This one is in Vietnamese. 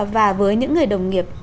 và với những người đồng nghiệp